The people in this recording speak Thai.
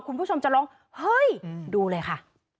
คุณผู้ชมจะลองดูเลยค่ะ